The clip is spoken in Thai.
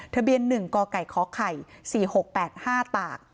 ทะเบียนหนึ่งกไก่เคาะไข่สี่หกแปดห้าตาก